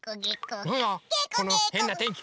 なんだこのへんなてんき。